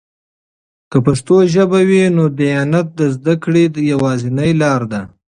که پښتو ژبه وي، نو دیانت د زده کړې یوازینۍ لاره ده.